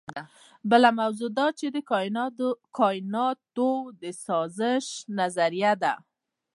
بله موضوع د کائناتي سازش نظریه ده.